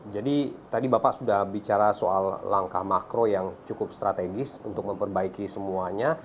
jadi tadi bapak sudah bicara soal langkah makro yang cukup strategis untuk memperbaiki semuanya